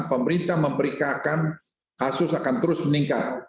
pemerintah memberikan kasus akan terus meningkat